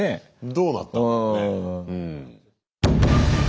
どうなったんだろうね？